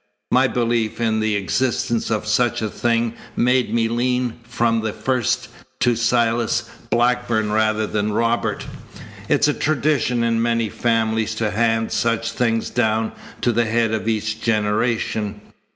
My belief in the existence of such a thing made me lean from the first to Silas Blackburn rather than Robert. It's a tradition in many families to hand such things down to the head of each generation.